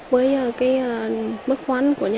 với cái bất khoản của mình